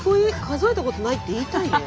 数えたことないって言いたいね。